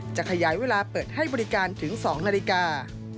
จะขยายเวลาเปิดให้บริการถึง๒นาฬิกา